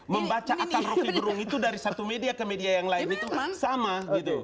membaca akal rocky gerung itu dari satu media ke media yang lain itu sama gitu